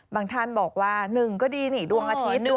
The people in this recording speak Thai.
บางท่านบอกว่า๑หนึ่งก็ดีน่ะดวงอาทิตย์